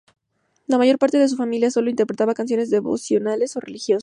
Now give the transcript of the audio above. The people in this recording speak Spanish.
La mayor parte de su familia, solo interpretaba canciones devocionales o religiosos.